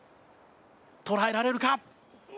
捉えられるか。